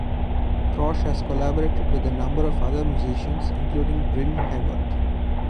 Prosch has collaborated with a number of other musicians including Bryn Haworth.